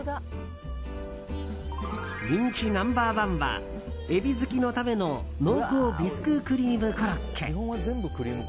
人気ナンバー１は海老好きのための濃厚ビスククリームコロッケ。